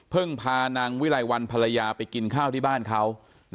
พานางวิไลวันภรรยาไปกินข้าวที่บ้านเขา